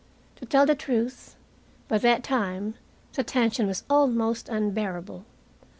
To tell the truth, by that time the tension was almost unbearable.